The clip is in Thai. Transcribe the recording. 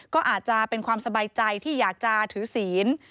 ก็อาจจะเป็นความสบายใจที่อยากจะถือศีล